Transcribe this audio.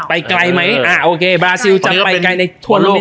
ไกลไหมอ่าโอเคบราซิลจะไปไกลในทั่วโลก